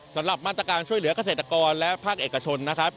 สำหรับมาตรการช่วยเหลือกเกษตรกรและภาคเอกชนนะครับ